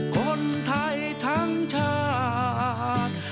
คนไทยทั้งชาติ